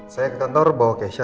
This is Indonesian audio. saya ke kantor bawa kesha